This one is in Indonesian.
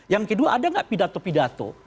yang kedua ada nggak pidato pidato